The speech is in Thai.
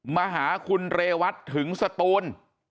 มาหาคุณเรวัตถึงสตูน